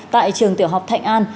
tại trường tiểu học thạnh an